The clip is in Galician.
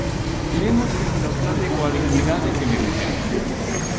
Queremos que se nos trate coa dignidade que merecemos.